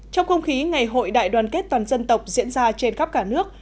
trong không khí ngày hội đại đoàn kết toàn dân tộc diễn ra trên khắp cả nước